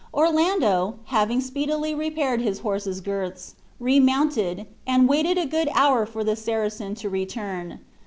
Orlando, having speedily repaired his horse's girths, remounted, and waited a good hour for the Saracen to return.